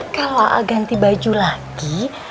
kalau a a ganti baju lagi